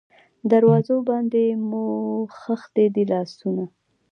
دروازو باندې موښتي دی لاسونه